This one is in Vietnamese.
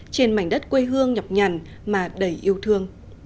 trên mảnh đất quê hương nhọc nhằn mà đầy yêu thương